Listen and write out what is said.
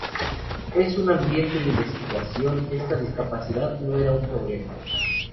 En un ambiente de investigación, esta discapacidad no era un problema.